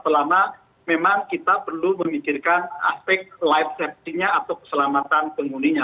selama memang kita perlu memikirkan aspek life safety nya atau keselamatan penghuninya